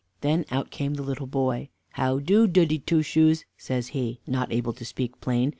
Then out came the little boy. "How do, Doody Two Shoes," says he, not able to speak plain.